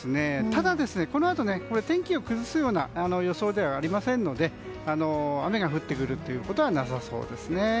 ただ、このあと天気を崩すような予想ではないので雨が降ってくることはなさそうです。